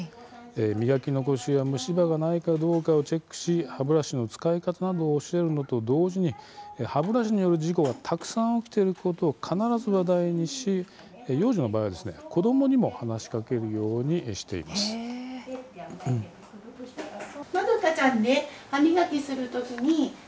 磨き残しや虫歯がないかどうかをチェックし歯ブラシの使い方などを教えるのと同時に歯ブラシによる事故がたくさん起きていることを必ず話題にし幼児の場合は子どもにも話しかけるようにしているんです。